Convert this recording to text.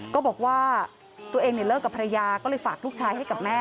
ก็บอกว่าตัวเองเลิกกับภรรยาก็เลยฝากลูกชายให้กับแม่